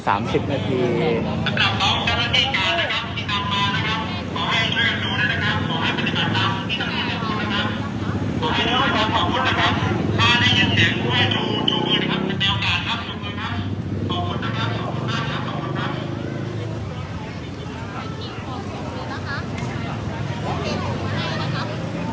การประตูกรมทหารที่สิบเอ็ดเป็นภาพสดขนาดนี้นะครับ